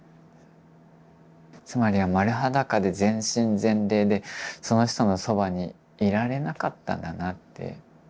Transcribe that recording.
つまりは丸裸で全身全霊でその人のそばにいられなかったんだなって。